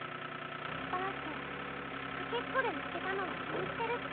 バースかけっこでまけたのを気にしてるッピ。